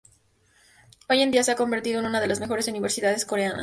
Hoy en día se ha convertido en una de las mejores universidades coreanas.